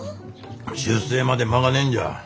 出征まで間がねえんじゃ。